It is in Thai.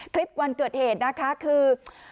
คลิปวันเกิดเหตุนะคะคือ